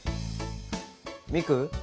ミク？